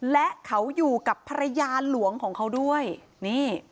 และเขาอยู่กับภรรยาหลวงของเขาด้วยนี่